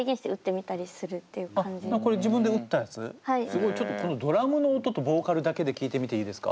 すごいちょっとこのドラムの音とボーカルだけで聴いてみていいですか？